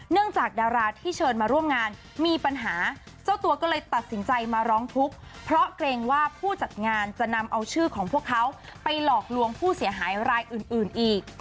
จากดาราที่เชิญมาร่วมงานมีปัญหาเจ้าตัวก็เลยตัดสินใจมาร้องทุกข์เพราะเกรงว่าผู้จัดงานจะนำเอาชื่อของพวกเขาไปหลอกลวงผู้เสียหายรายอื่นอีก